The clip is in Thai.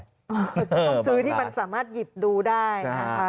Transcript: ต้องซื้อที่มันสามารถหยิบดูได้นะคะ